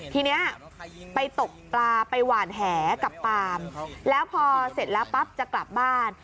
ทีนี้ไปตกปลาไปหวานแหกับปาล์มแล้วพอเสร็จแล้วปั๊บจะกลับบ้าน